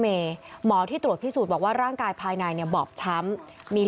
หมอที่ตรวจพิสูจน์บอกว่าร่างกายภายในเนี่ยบอบช้ำมี